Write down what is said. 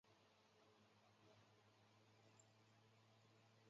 官至两浙都转盐运使司盐运使。